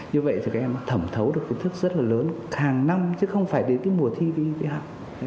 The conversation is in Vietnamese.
như vậy các em thẩm thấu được kỹ thuật rất lớn hàng năm chứ không phải đến mùa thi đi học